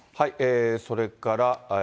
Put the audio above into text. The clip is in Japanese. それから。